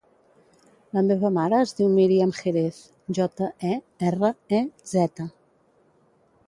La meva mare es diu Míriam Jerez: jota, e, erra, e, zeta.